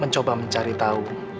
coba mencari tahu